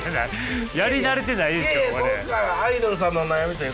やり慣れてないでしょこれ。